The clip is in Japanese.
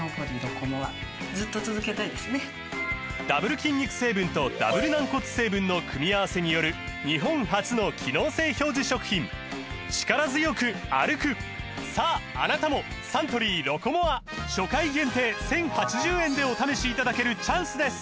ダブル筋肉成分とダブル軟骨成分の組み合わせによる日本初の機能性表示食品さああなたもサントリー「ロコモア」初回限定１０８０円でお試しいただけるチャンスです